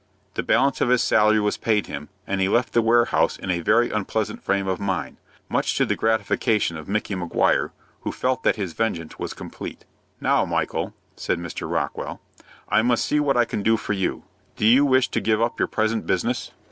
The balance of his salary was paid him, and he left the warehouse in a very unpleasant frame of mind, much to the gratification of Micky Maguire, who felt that his vengeance was complete. "Now, Michael," said Mr. Rockwell, "I must see what I can do for you. Do you wish to give up your present business?"